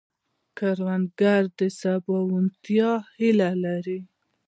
کروندګر د سباوونتیا هیله لري